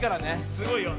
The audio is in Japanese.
すごいよ。